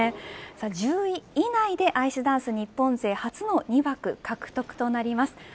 １０位以内でアイスダンス日本勢初の２枠獲得となります。